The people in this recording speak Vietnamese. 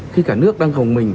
khi cả nước đang hồng mình